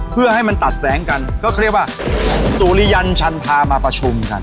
เพื่อให้มันตัดแสงกันก็เขาเรียกว่าสุริยันชันพามาประชุมกัน